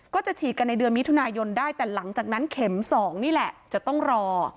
ก็จะฉีดกันในเดือนมิถุนายนได้แต่หลังจากนั้นเข็ม๒นี่แหละจะต้องรอ